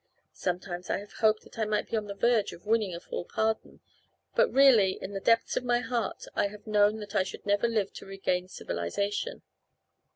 Sometimes I have hoped that I might be upon the verge of winning a full pardon, but really in the depths of my heart I have known that I should never live to regain civilization.